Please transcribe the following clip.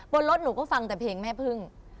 บนรถหนูก็ฟังแต่เพลงแม่พึ่ง